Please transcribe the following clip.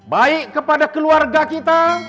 baik kepada keluarga kita